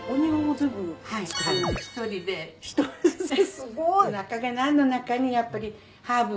すごい。